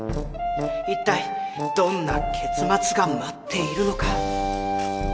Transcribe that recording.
いったいどんな結末が待っているのか？